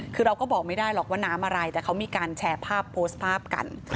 คือเราก็บอกไม่ได้หรอกว่าน้ำอะไรแต่เขามีการแชร์ภาพโพสต์ภาพกัน